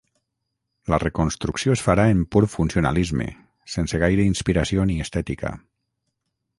La reconstrucció es farà en pur funcionalisme sense gaire inspiració ni estètica.